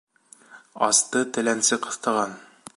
Асты теләнсе ҡыҫтаған.